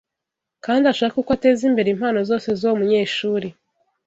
kandi ashake uko ateza imbere impano zose z’uwo munyeshuri